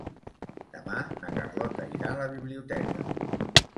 Demà na Carlota irà a la biblioteca.